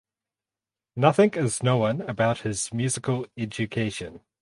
Nothing is known about his musical education.